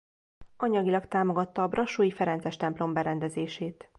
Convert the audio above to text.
Anyagilag támogatta a brassói ferences templom berendezését.